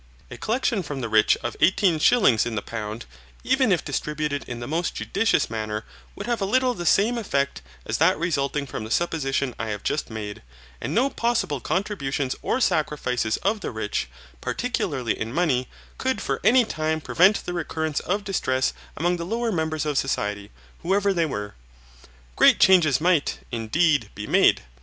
A collection from the rich of eighteen shillings in the pound, even if distributed in the most judicious manner, would have a little the same effect as that resulting from the supposition I have just made, and no possible contributions or sacrifices of the rich, particularly in money, could for any time prevent the recurrence of distress among the lower members of society, whoever they were. Great changes might, indeed, be made.